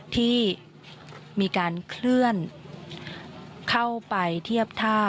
ที่มีการเคลื่อนเข้าไปเทียบท่า